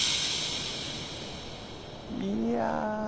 いや。